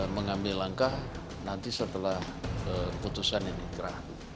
mengambil langkah nanti setelah keputusan yang dikira